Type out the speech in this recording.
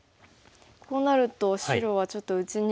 こうなると白はちょっと打ちにくいですよね。